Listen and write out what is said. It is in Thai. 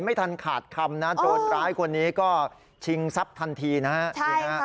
ไม่ทันขาดคำนะโจรร้ายคนนี้ก็ชิงทรัพย์ทันทีนะฮะ